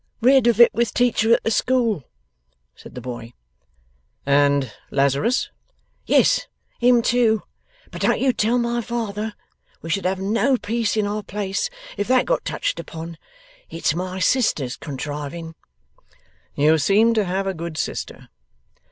'Read of it with teacher at the school,' said the boy. 'And Lazarus?' 'Yes, and him too. But don't you tell my father! We should have no peace in our place, if that got touched upon. It's my sister's contriving.' 'You seem to have a good sister.